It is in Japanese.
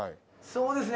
そうですね。